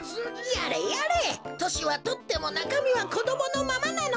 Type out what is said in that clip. やれやれとしはとってもなかみはこどものままなのだ。